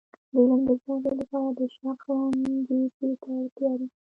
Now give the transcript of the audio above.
د علم د زده کړې لپاره د شوق او انګیزې ته اړتیا ده.